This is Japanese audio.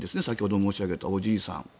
先ほども申し上げたおじいさん。